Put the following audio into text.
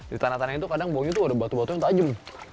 di tanah tanah itu kadang baunya tuh ada batu batu yang tajam